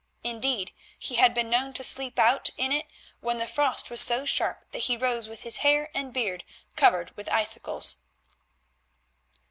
Indeed, he had been known to sleep out in it when the frost was so sharp that he rose with his hair and beard covered with icicles.